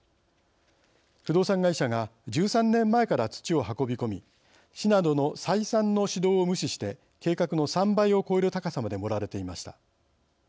不動産会社が１３年前から土を運び込み市などの再三の指導を無視して計画の３倍を超える高さまで盛られていました。